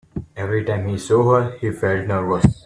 Every time he saw her, he felt nervous.